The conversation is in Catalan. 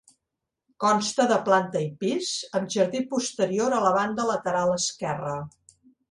Consta de planta i pis, amb jardí posterior a la banda lateral esquerra.